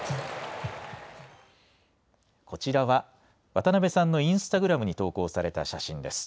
こちらは、渡辺さんのインスタグラムに投稿された写真です。